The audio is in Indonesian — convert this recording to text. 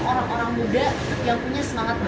semua orang orang muda yang punya semangat baru